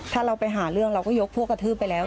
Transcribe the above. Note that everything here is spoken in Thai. ถ้าเราไปหาเรื่องเราก็ยกพวกกระทืบไปแล้ว